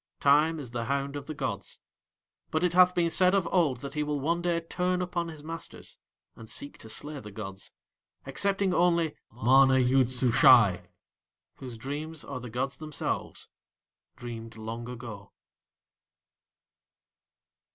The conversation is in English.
Time is the hound of the gods; but it hath been said of old that he will one day turn upon his masters, and seek to slay the gods, excepting only MANA YOOD SUSHAI, whose dreams are the gods themselves dreamed long ago.